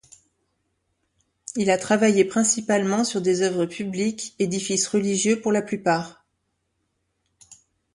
Il a travaillé principalement sur des oeuvres publiques, édifices religieux pour la plupart.